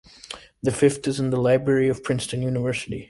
The fifth is in the Library of Princeton University.